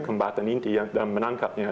kembatan inti dan menangkapnya